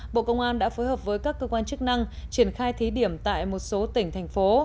bộ công an đã phối hợp với các cơ quan chức năng triển khai thí điểm tại một số tỉnh thành phố